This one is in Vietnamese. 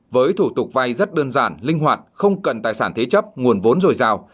với thủ tục vay rất đơn giản linh hoạt không cần tài sản thế chấp nguồn vốn rồi rào